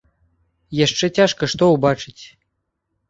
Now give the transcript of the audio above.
Яшчэ цяжка што ўбачыць.